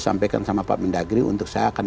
sampaikan sama pak mendagri untuk saya akan